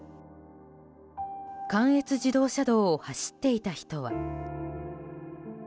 関越自動車道を走っていた人は。